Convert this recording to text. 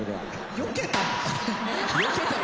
よけたの？